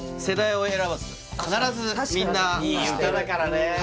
必ずみんないい歌だからね